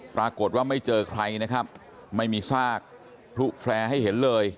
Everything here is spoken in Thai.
ปรากฏว่าไม่เจอใครนะครับไม่มีซากพลุแฟร์ให้เห็นเลย